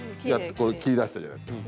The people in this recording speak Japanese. これ切りだしたじゃないですかね？